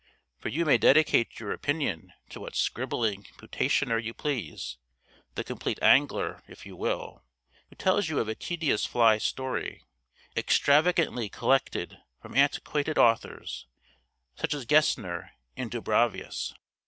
'For you may dedicate your opinion to what scribbling putationer you please; the Compleat Angler if you will, who tells you of a tedious fly story, extravagantly collected from antiquated authors, such as Gesner and Dubravius.'